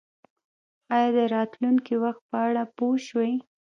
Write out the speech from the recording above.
ایا د راتلونکي وخت په اړه پوه شوئ؟